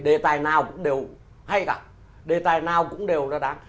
đề tài nào cũng đều hay cả đề tài nào cũng đều đáng